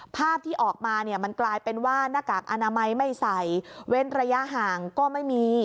ภาพที่ออกมาเนี่ยมันกลายเป็นว่าหน้ากากอนามัยไม่ใส่เว้นระยะห่างก็ไม่มี